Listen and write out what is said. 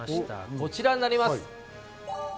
こちらになります。